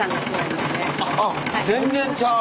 あっ全然ちゃう！